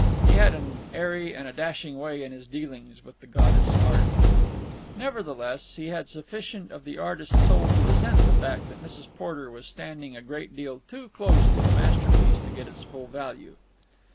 He had an airy and a dashing way in his dealings with the goddess Art. Nevertheless, he had sufficient of the artist soul to resent the fact that Mrs. Porter was standing a great deal too close to the masterpiece to get its full value.